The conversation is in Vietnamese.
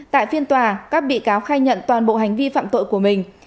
tại phiên tòa các bị cáo khai nhận toàn bộ hành vi phạm tội của mình